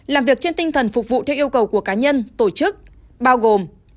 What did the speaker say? làm việc trên tinh thần phục vụ theo yêu cầu của cá nhân tổ chức bao gồm